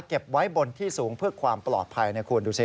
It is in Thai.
เก็บไว้บนที่สูงเพื่อความปลอดภัยนะคุณดูสิ